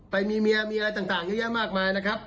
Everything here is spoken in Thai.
ไปมีเมียมีอะไรต่างเยอะแยะมากมายนะครับ